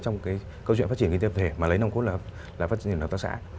trong câu chuyện phát triển kinh tế tập thể mà lấy nồng cốt là phát triển hợp tác xã